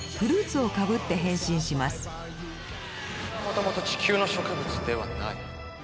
もともと地球の植物ではない。